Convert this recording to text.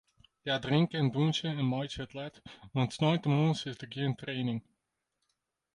Hja drinke en dûnsje en meitsje it let, want sneintemoarns is der gjin training.